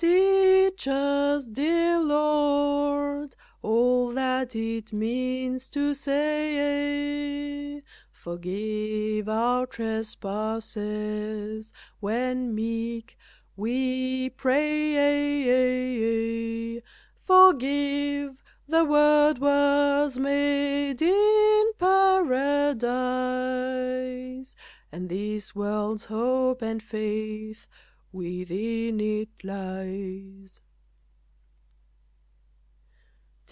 Teach us, dear Lord, all that it means to say, Forgive our trespasses, when, meek, we pray; Forgive! the word was made in Paradise, And this world's hope and faith within it lies.